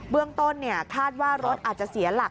เรื่องต้นคาดว่ารถอาจจะเสียหลัก